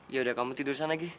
yaudah kamu tidur sana gih